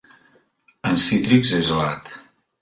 En cítrics és alat.